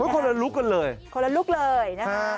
คนละลุกกันเลย